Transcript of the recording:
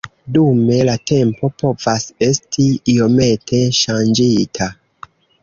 Dume la temo povas esti iomete ŝanĝita.